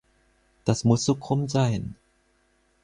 Das muss so krumm sein.